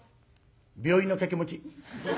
病院の掛け持ち。